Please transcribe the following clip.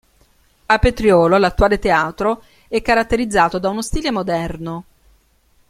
A Petriolo l'attuale teatro è caratterizzato da uno stile moderno.